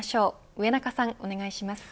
上中さん、お願いします。